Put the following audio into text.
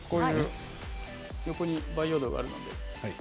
横に培養土があるので。